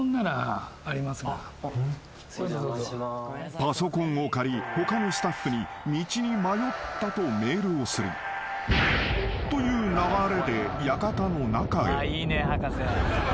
［パソコンを借り他のスタッフに道に迷ったとメールをするという流れで館の中へ］